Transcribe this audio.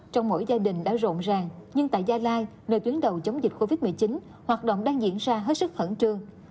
trong mỗi gia đình đã rộn ràng nhưng tại gia lai nơi tuyến đầu chống dịch covid một mươi chín hoạt động đang diễn ra hết sức khẩn trương